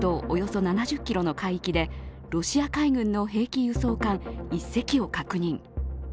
およそ７０ｋｍの海域でロシア海軍の兵器輸送艦１隻を確認